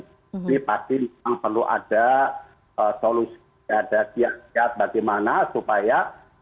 jadi pasti memang perlu ada solusi ada siasat bagaimana supaya